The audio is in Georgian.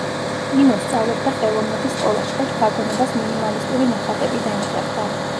ინო სწავლობდა ხელოვნების სკოლაში და შთაგონებას მინიმალისტური ნახატებიდან იღებდა.